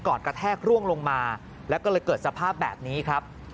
กระแทกร่วงลงมาแล้วก็เลยเกิดสภาพแบบนี้ครับ